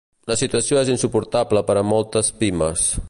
La situació és insuportable per a moltes pimes.